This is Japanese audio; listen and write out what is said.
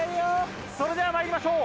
それでは参りましょう。